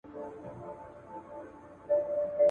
جهاني په ژوند پوه نه سوم چي د کوچ نارې خبر کړم ..